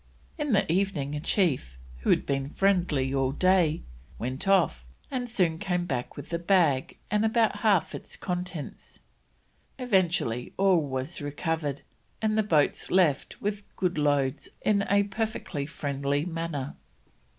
In the evening a chief, who had been friendly all day, went off and soon after came back with the bag and about half its contents. Eventually all was recovered, and the boats left with good loads in a perfectly friendly manner.